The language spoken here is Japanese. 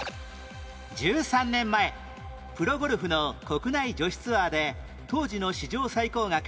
１３年前プロゴルフの国内女子ツアーで当時の史上最高額